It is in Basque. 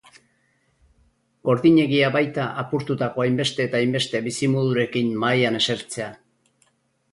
Gordinegia baita apurtutako hainbeste eta hainbeste bizimodurekin mahaian esertzea.